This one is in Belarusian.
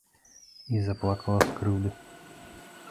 І заплакала з крыўды.